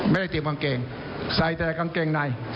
ไม่ได้เตรียมกางเกงใส่แต่กางเกงใน